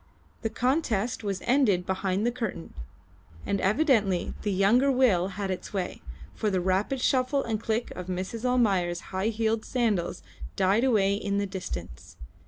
The contest was ended behind the curtain, and evidently the younger will had its way, for the rapid shuffle and click of Mrs. Almayer's high heeled sandals died away in the distance.